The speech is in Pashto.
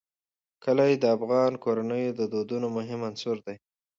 کلي د افغان کورنیو د دودونو مهم عنصر دی.